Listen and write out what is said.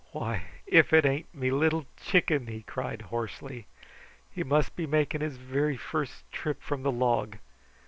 "Why, if it ain't me Little Chicken!" he cried hoarsely. "He must be making his very first trip from the log.